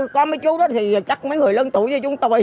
có mấy chú đó thì chắc mấy người lớn tuổi như chúng tôi